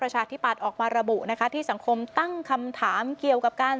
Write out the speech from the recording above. ชาธิบัตย์ออกมาระบุนะคะที่สังคมตั้งคำถามเกี่ยวกับการ